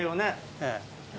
ええ。